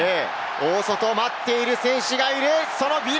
大外に待っている選手がいる。